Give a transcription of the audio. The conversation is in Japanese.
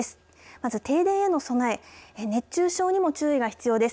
まず、停電への備え熱中症にも注意が必要です。